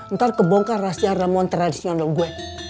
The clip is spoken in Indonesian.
ntar kebongkar rahasia ramon teradisnya nol gue